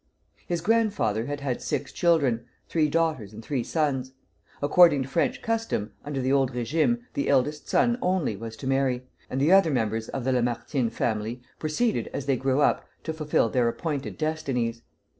His grandfather had had six children, three daughters and three sons. According to French custom, under the old régime, the eldest son only was to marry, and the other members of the Lamartine family proceeded as they grew up to fulfil their appointed destinies.